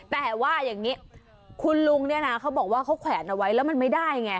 แต่ว่าอย่างนี้คุณลุงเนี่ยนะเขาบอกว่าเขาแขวนเอาไว้แล้วมันไม่ได้ไง